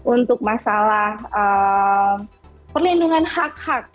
untuk masalah perlindungan hak hak